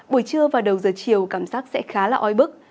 buổi trưa và đầu giờ chiều cảm giác sẽ khá là oi bức